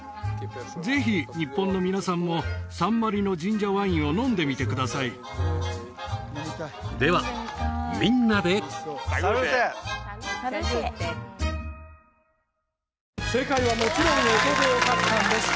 ぜひ日本の皆さんもサンマリノ神社ワインを飲んでみてくださいではみんなで正解はもちろん「干支」でよかったんです